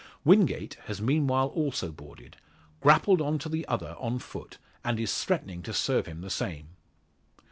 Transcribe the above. Wingate has meanwhile also boarded, grappled on to the other on foot, and is threatening to serve him the same.